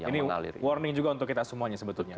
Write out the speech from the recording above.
ini warning juga untuk kita semuanya sebetulnya